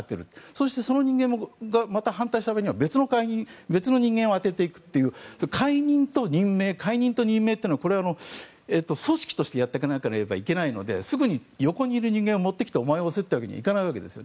そして別の人間も反対したら別の人間を充てていくという解任と任命解任と任命、これを組織としてやっていかないといけないのですぐに横にいる人間を持ってきてお前が押せというわけにはいかないです。